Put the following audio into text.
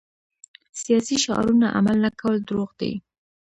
سیاسي شعارونه عمل نه کول دروغ دي.